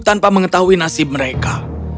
tanpa mengetahui nasib mereka